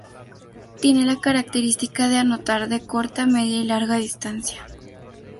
Tiene la característica de anotar de corta, media y larga distancia.